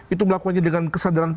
itu melakukannya dengan kesadaran